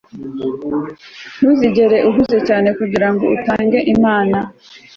ntuzigere uhuze cyane kugirango utange inama